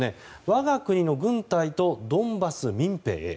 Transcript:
我が国の軍隊とドンバス民兵へ。